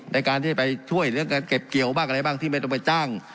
ในการที่จะไปช่วยเรื่องการเก็บเกี่ยวบ้างอะไรบ้างที่ไม่ต้องไปจ้าง